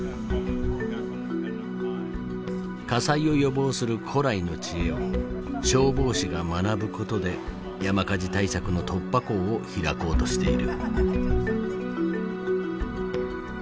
火災を予防する古来の知恵を消防士が学ぶことで山火事対策の突破口を開こうとしている。